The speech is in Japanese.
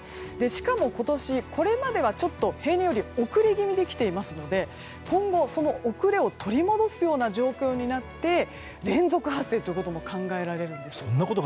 しかも今年これまでは、ちょっと平年より遅れ気味で来ているので今後、遅れを取り戻すような状況になって連続発生ということも考えられるんです。